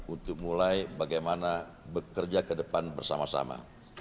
untuk mulai bagaimana bekerja ke depan bersama sama